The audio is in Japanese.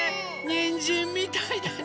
にんじんみたいだね！